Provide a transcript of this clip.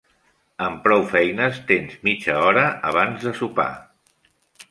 Amb prou feines tens mitja hora abans de sopar.